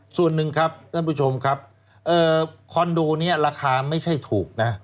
ส่วนหนึ่งครับท่านผู้ชมครับคอนโดนี้ราคาไม่ใช่ถูกนะ